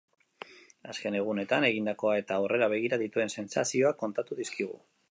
Azken egunetan egindakoa eta aurrera begira dituen sentsazioak kontatu dizkigu.